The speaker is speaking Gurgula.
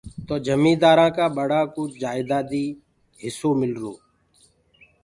تو جميٚندآرانٚ ڪا ٻڙا ڪوُ جائيٚدادي هِسو مِلرو۔